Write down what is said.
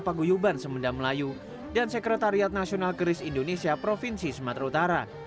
paguyuban semeda melayu dan sekretariat nasional keris indonesia provinsi sumatera utara